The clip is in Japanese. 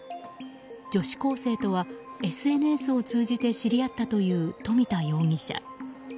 女子高生とはＳＮＳを通じて知り合ったという富田容疑者。